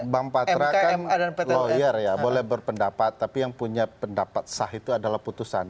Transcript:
bang patra kan lawyer ya boleh berpendapat tapi yang punya pendapat sah itu adalah putusan